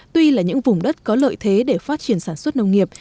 tuy là những vùng đất có lợi thế để phát triển sản xuất nông nghiệp